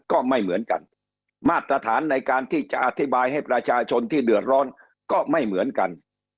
ก็ไม่เหมือนกันมาตรฐานในการที่จะอธิบายให้ประชาชนที่เดือดร้อนก็ไม่เหมือนกัน